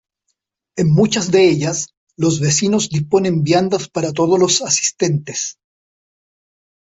En muchas de ellas, los vecinos disponen viandas para todos los asistentes.